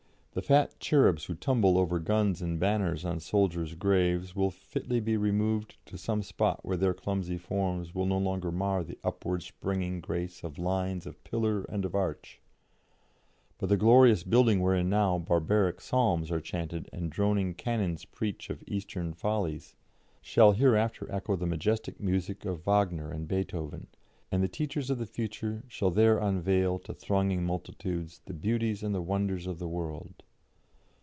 The fat cherubs who tumble over guns and banners on soldiers' graves will fitly be removed to some spot where their clumsy forms will no longer mar the upward springing grace of lines of pillar and of arch; but the glorious building wherein now barbaric psalms are chanted and droning canons preach of Eastern follies, shall hereafter echo the majestic music of Wagner and Beethoven, and the teachers of the future shall there unveil to thronging multitudes the beauties and the wonders of the world.